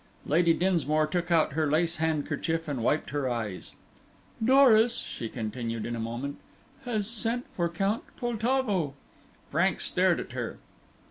Lady Dinsmore took out her lace handkerchief and wiped her eyes. "Doris," she continued, in a moment, "has sent for Count Poltavo." Frank stared at her.